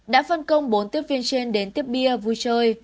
đã phân công bốn tiếp viên trên đến tiếp bia vui chơi